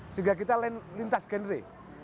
sehingga kita lintas genre